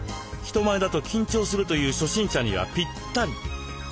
人前だと緊張するという初心者にはぴったり！